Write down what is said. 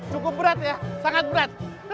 cukup berat ya sangat berat